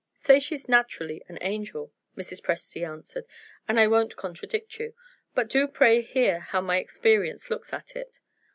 "Say she's naturally an angel," Mrs. Presty answered; "and I won't contradict you. But do pray hear how my experience looks at it.